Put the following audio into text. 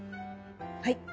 はい。